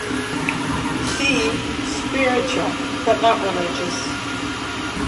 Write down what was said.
See "Spiritual but not religious".